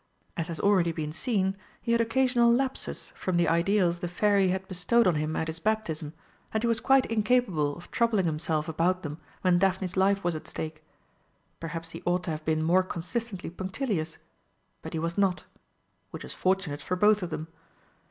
As has already been seen, he had occasional lapses from the ideals the Fairy had bestowed on him at his baptism, and he was quite incapable of troubling himself about them when Daphne's life was at stake. Perhaps he ought to have been more consistently punctilious, but he was not which was fortunate for both of them.